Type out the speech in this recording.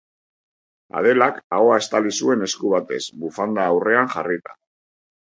Adelak ahoa estali zuen esku batez bufanda aurrean jarrita.